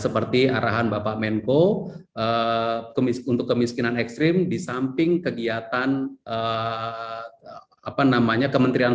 seperti arahan bapak menko untuk kemiskinan ekstrim di samping kegiatan apa namanya kementerian